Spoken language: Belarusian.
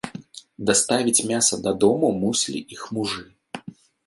Даставіць мяса дадому мусілі іх мужы.